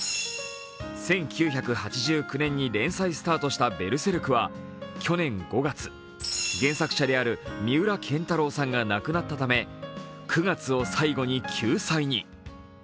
１９８９年に連載スタートした「ベルセルク」は去年５月、原作者である三浦健太郎さんが亡くなったため９月を最後に休載に。